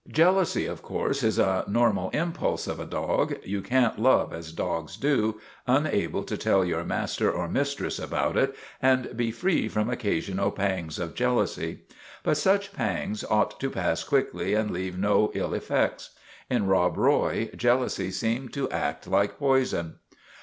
"Jealousy, of course, is a normal impulse of a dog. You can't love as dogs do, unable to tell your master or mistress about it; and be free from occa sional pangs of jealousy. But such pangs ought to pass quickly and leave no ill effects. In Rob Roy jealousy seemed to act like poison.